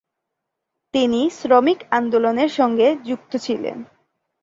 তিনি শ্রমিক আন্দোলনের সঙ্গে যুক্ত ছিলেন।